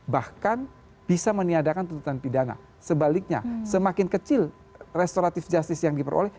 bahkan bisa meniadakan tuntutan pidana sebaliknya semakin kecil restoratif justice yang diperoleh